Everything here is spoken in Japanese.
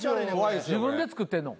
自分で作ってんの？